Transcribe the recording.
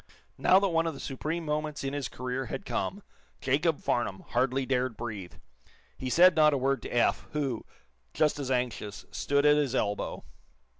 Now that one of the supreme moments in his career had come, Jacob Farnum hardly dared breathe. He said not a word to Eph, who, just as anxious, stood at his elbow.